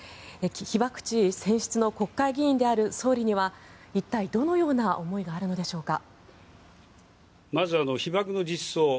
被爆地選出の国会議員である総理には一体、どのような思いがあるのでしょうか。